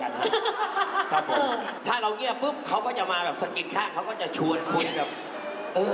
ครับผมถ้าเรายี่ยมปุ๊บเขาก็จะมาสกินข้างเขาก็จะชวนคุณแบบ